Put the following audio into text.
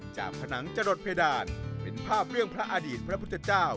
ผนังจรดเพดานเป็นภาพเรื่องพระอดีตพระพุทธเจ้า